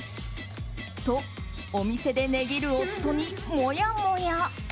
と、お店で値切る夫にもやもや。